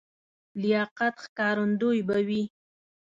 لیاقت ښکارندوی به وي.